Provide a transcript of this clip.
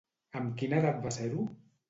Amb quina edat va ser-ho?